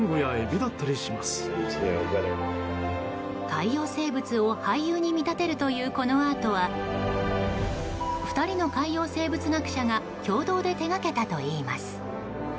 海洋生物を俳優に見立てるというこのアートは２人の海洋生物学者が共同で手掛けたといいます。